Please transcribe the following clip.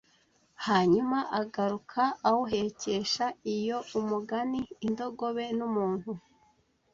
Hanyuma agaruka awuhekesha iyo umugani Indogobe n'umuntu